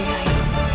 mencari mu nyai